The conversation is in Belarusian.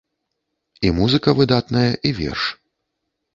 І музыка выдатная, і верш.